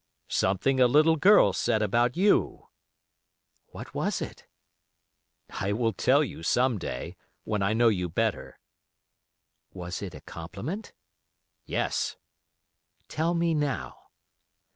"Something a little girl said about you." "What was it?" "I will tell you some day, when I know you better." "Was it a compliment?" "Yes." "Tell me now."